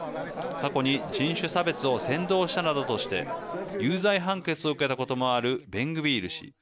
過去に人種差別を扇動したなどとして有罪判決を受けたこともあるベングビール氏。